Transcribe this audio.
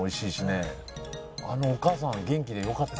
あのお母さん元気でよかった。